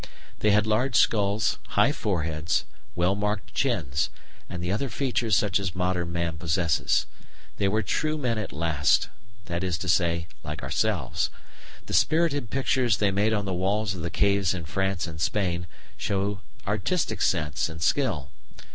They had large skulls, high foreheads, well marked chins, and other features such as modern man possesses. They were true men at last that is to say, like ourselves! The spirited pictures they made on the walls of caves in France and Spain show artistic sense and skill.